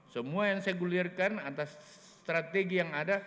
semua yang saya gulirkan atas strategi yang ada